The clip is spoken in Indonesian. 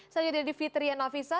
selanjutnya di fitri and nafisa